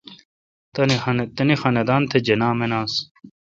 تانی خاندان تھ جناح مناس۔